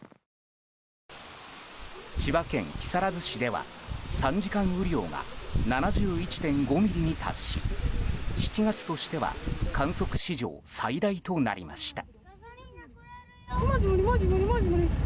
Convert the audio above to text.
千葉県木更津市では３時間雨量が７１．５ミリに達し７月としては観測史上最大となりました。